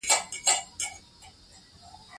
هوا د افغانستان د ټولنې لپاره بنسټيز رول لري.